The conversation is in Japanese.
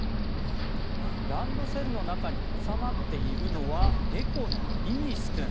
ランドセルの中に収まっているのは猫のミース君。